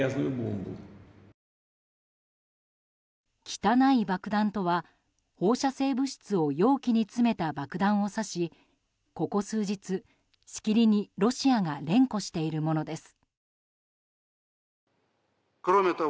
汚い爆弾とは、放射性物質を容器に詰めた爆弾を指しここ数日、しきりにロシアが連呼しているものです。